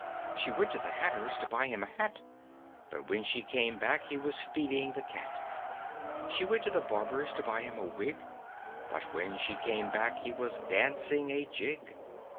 ] She went to the hatter's To buy him a hat, But when she came back He was feeding the cat. She went to the barber's To buy him a wig, But when she came back He was dancing a jig.